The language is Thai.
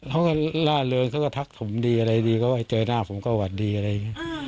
เขาก็ล่าเริงเขาก็ทักถมดีอะไรดีก็ให้เจอหน้าผมก็หวัดดีอะไรอย่างนี้